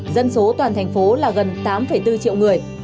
dân số toàn thành phố là gần tám bốn triệu người